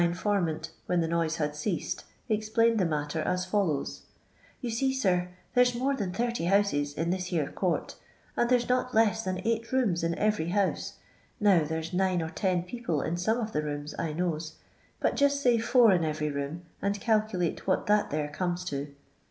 informant, when the noise, had ceased, explained the matter as follows :" You see, sir, there 's more than 30 houses in this here court, and there's not less than eight rooms iu every house ; now there 's nine or ten people in some of the rooms, I knows, but just say four in every Totan, and calculate what that there comes to."